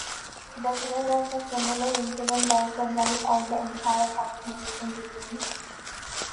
The threat of a similar incident that could wipe out the entire population remains.